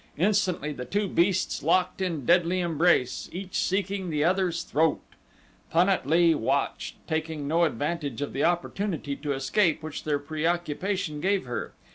Instantly the two beasts locked in deadly embrace, each seeking the other's throat. Pan at lee watched, taking no advantage of the opportunity to escape which their preoccupation gave her.